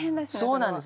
そうなんです。